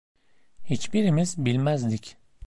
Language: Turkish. Hiçbirimiz bilmezdik.